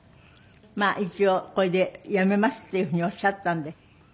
まあ一応これでやめますっていうふうにおっしゃったんで。